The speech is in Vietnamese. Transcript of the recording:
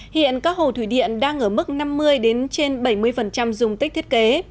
hiện các hồ thủy điện đang ở mức năm mươi bảy mươi dung tích thiết kế